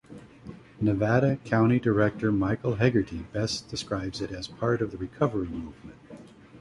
Nevada County Director Michael Heggarty bests describes it as part of the recovery movement.